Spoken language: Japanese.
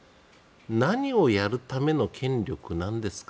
何をやるための権力なんですか。